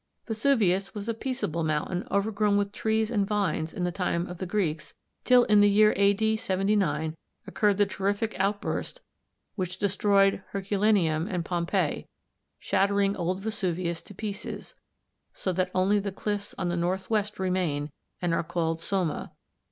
Vesuvius was a peaceable mountain overgrown with trees and vines in the time of the Greeks till in the year A.D. 79 occurred the terrific outburst which destroyed Herculaneum and Pompeii, shattering old Vesuvius to pieces, so that only the cliffs on the northwest remain and are called Somma (see Fig.